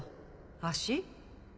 足？